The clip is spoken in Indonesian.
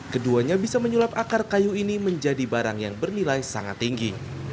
keduanya bisa menyulap akar kayu ini menjadi barang yang bernilai sangat tinggi